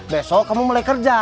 besok kamu mulai kerja